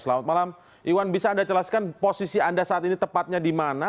selamat malam iwan bisa anda jelaskan posisi anda saat ini tepatnya di mana